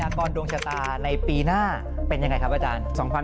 พยากรดวงชะตาในปีหน้าเป็นอย่างไรครับอาจารย์